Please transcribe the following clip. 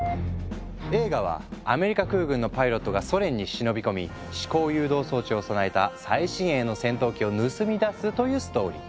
映画はアメリカ空軍のパイロットがソ連に忍び込み思考誘導装置を備えた最新鋭の戦闘機を盗み出すというストーリー。